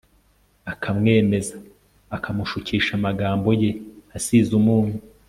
akamwemeza, akamushukisha amagambo ye asize umunyu